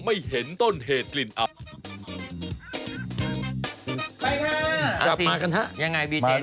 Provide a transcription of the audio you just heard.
อะเชิญครับฉันอ่านไม่ได้หรอ